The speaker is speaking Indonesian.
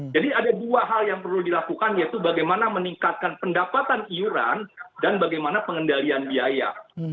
jadi ada dua hal yang perlu dilakukan yaitu bagaimana meningkatkan pendapatan iuran dan bagaimana pengendalian biaya